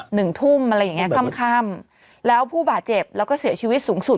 หนึ่งทุ่มอะไรอย่างเงี้ค่ำค่ำแล้วผู้บาดเจ็บแล้วก็เสียชีวิตสูงสุด